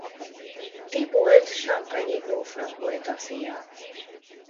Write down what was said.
Tibold champagne-i grófnak volt a fia.